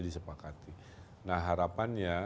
disepakati nah harapannya